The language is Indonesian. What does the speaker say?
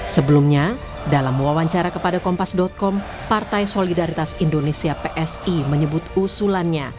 sebelumnya dalam wawancara kepada kompas com partai solidaritas indonesia psi menyebut usulannya